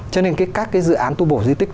cho nên các cái dự án tu bổ di tích